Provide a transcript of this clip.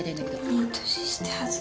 いい年して恥ず。